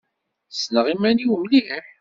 Ssneɣ iman-iw mliḥ.